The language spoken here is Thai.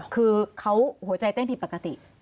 คือเขาหัวใจเต้นผิดปกติ